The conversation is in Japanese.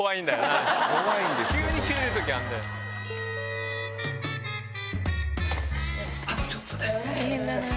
あとちょっとです。